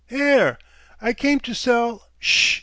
"'Ere! I came to sell " "Ssh!"